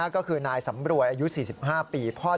ก็คือนายสำบรวยอายุ๔๕ปีพ่อเด็กบอกว่า